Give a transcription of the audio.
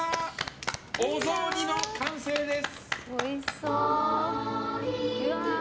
お雑煮の完成です！